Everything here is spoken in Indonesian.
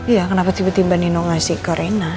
iya kenapa tiba tiba nino ngasih ke rena